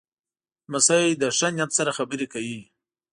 لمسی له ښه نیت سره خبرې کوي.